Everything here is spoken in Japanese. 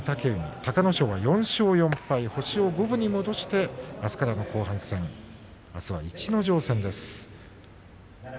隆の勝は星を五分に戻してあすからの後半戦あすは逸ノ城戦です。